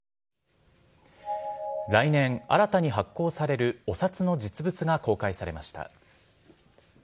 来年、新たに発行されるお札の実物が公開されました。